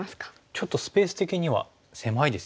ちょっとスペース的には狭いですよね。